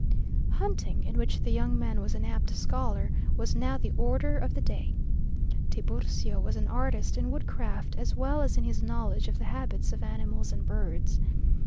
Hunting, in which the young man was an apt scholar, was now the order of the day. Tiburcio was an artist in woodcraft as well as in his knowledge of the habits of animals and birds.